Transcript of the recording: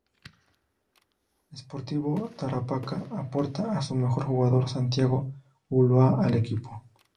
Sportivo Tarapacá aporta a su mejor jugador Santiago Ulloa, al equipo.